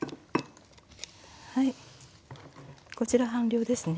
はいこちら半量ですね。